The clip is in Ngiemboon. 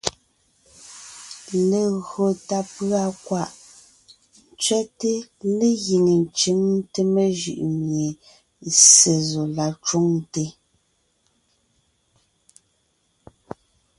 Legÿo tà pʉ̀a kwaʼ ntsẅɛ́te légíŋe ńcʉŋte mejʉʼ mie Ssé zɔ la cwoŋte,